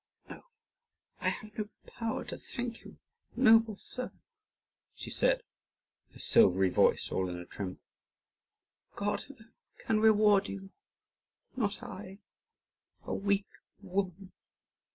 "No, I have no power to thank you, noble sir," she said, her silvery voice all in a tremble. "God alone can reward you, not I, a weak woman."